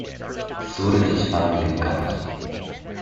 Suraj's family comes.